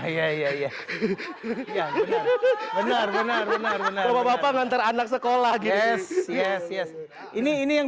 iya iya iya benar benar benar benar benar bapak nganter anak sekolah yes yes yes ini ini yang